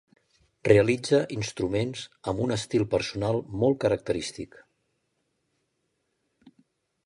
Realitzà instruments amb un estil personal molt característic.